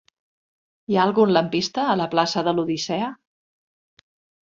Hi ha algun lampista a la plaça de l'Odissea?